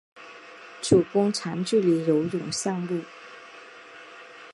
主攻长距离游泳项目。